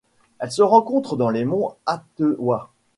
Elle se rencontre dans les monts Atewa.